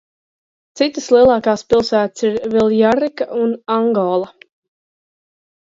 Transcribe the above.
Citas lielākās pilsētas ir Viljarrika un Angola.